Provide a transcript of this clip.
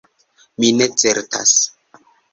Mi ne certas.